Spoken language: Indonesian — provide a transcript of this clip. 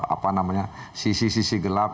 apa namanya sisi sisi gelap